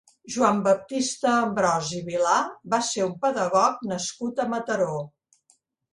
Joan Baptista Ambròs i Vilà va ser un pedagog nascut a Mataró.